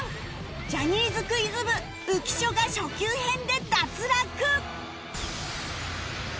ジャニーズクイズ部浮所が初級編で脱落！